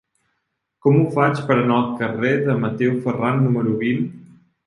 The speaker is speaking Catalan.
Com ho faig per anar al carrer de Mateu Ferran número vint?